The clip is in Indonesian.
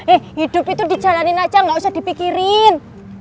eh hidup itu dijalanin aja gak usah dipikirin